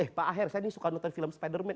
eh pak aher saya ini suka nonton film spidermade